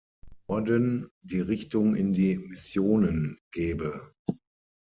Orden die Richtung in die Missionen gebe.